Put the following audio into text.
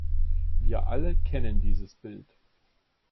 Wir alle kennen dieses Bild.